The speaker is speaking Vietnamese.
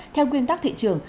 theo quyên tắc thị trường